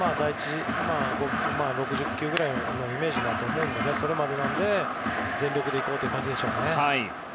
６０球ぐらいのイメージだと思うので全力でいこうという感じでしょうね。